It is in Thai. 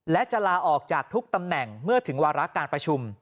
และจะลาออกจากทุกตำแหน่งเมื่อถึงวาระการประชุม